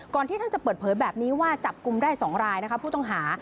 ที่ท่านจะเปิดเผยแบบนี้ว่าจับกลุ่มได้๒รายนะคะผู้ต้องหา